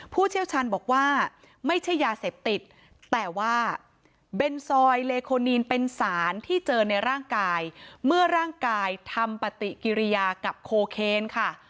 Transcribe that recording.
เชี่ยวชาญบอกว่าไม่ใช่ยาเสพติดแต่ว่าเบนซอยเลโคนีนเป็นสารที่เจอในร่างกายเมื่อร่างกายทำปฏิกิริยากับโคเคนค่ะ